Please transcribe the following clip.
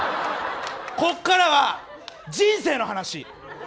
ここからは人生の話。